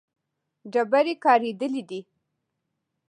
ډبرې کارېدلې دي.